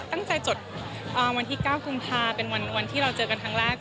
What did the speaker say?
จดวันที่๙กุมภาเป็นวันที่เราเจอกันครั้งแรก